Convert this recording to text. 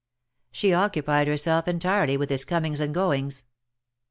She occupied herself entirely with his comings and goings.